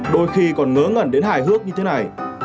đôi khi còn ngớ ngẩn đến hài hước như thế này